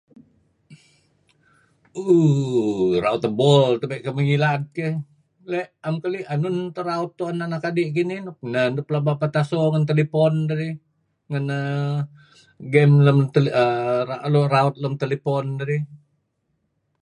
Ooo raut ebol tabe' kamih ngilad keyh. Le' naem narih keli' enun nato raut anak adi' kinih. Neh ideh pelaba pataso ngen telephone dedih, ngen game err raut lem telephone dedih.